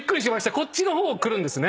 こっちの方くるんですね。